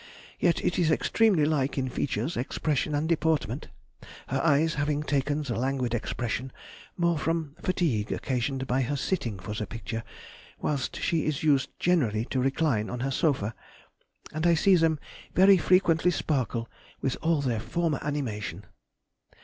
Yet it is extremely like in features, expression, and deportment, her eyes having taken the languid expression more from fatigue occasioned by her sitting for the picture, whilst she is used generally to recline on her sofa, and I see them very frequently sparkle with all their former animation....